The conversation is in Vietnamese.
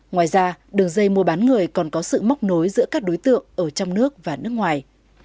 ngoài ra đường dây mua bán người còn có sự móc nối giữa các đối tượng ở trong nước và nước ngoài